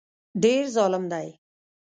ډېر ظالم دی